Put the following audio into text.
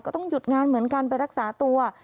ก็ต้องหยุดงานเหมือนกันไปรักษาตัว